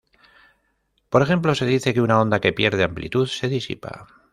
Por ejemplo, se dice que una onda que pierde amplitud se disipa.